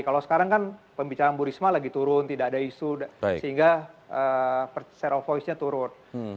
kalau sekarang kan pembicaraan bu risma lagi turun tidak ada isu sehingga share of voice nya turun